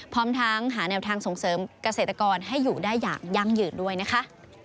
พร้อมทั้งหาแนวทางส่งเสริมเกษตรกรให้อยู่ได้อย่างยั่งยืนด้วยนะคะ